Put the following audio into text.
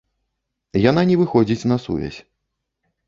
Яна не выходзіць на сувязь.